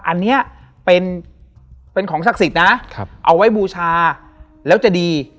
อันนี้เป็นของศักดิ์สิทธิ์นะเอาไว้บูชาแล้วจะดี